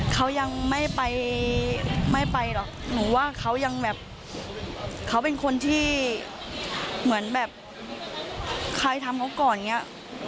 เขายังไม่ไปไม่ไปหรอกหนูว่าเขายังแบบเขาเป็นคนที่เหมือนแบบใครทำเขาก่อนอย่างนี้